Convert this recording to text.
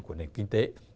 của nền kinh tế